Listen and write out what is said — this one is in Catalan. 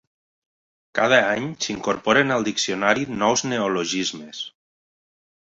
Cada any s'incorporen al diccionari nous neologismes.